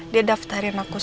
dia daftarin aku enam hamil